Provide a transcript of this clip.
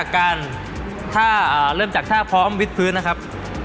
สำเร็จนะครับครับ